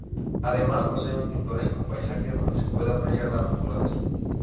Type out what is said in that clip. Además posee un pintoresco paisaje, donde se puede apreciar la naturaleza.